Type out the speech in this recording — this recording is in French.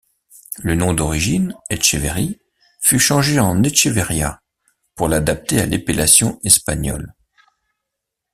Le nom d'origine, Etcheverry, fut changé en Etcheverría pour l'adapter à l'épellation espagnole.